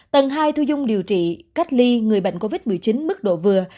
tầng hai thu dung điều trị cách ly người bệnh covid một mươi chín mức độ vừa